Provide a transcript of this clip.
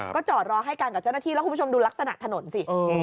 ก็จอดรอให้กันกับเจ้าหน้าที่แล้วคุณผู้ชมดูลักษณะถนนสิ